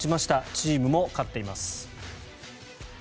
チームも勝っています。